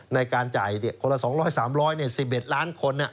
ในการจ่ายเนี่ยคนละ๒๐๐๓๐๐บาทเนี่ย๑๑ล้านคน